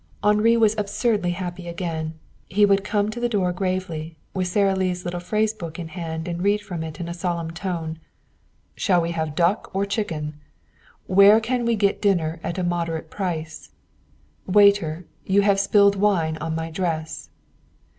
Henri was absurdly happy again. He would come to the door gravely, with Sara Lee's little phrase book in hand, and read from it in a solemn tone: "'Shall we have duck or chicken?' 'Where can we get a good dinner at a moderate price?' 'Waiter, you have spilled wine on my dress.'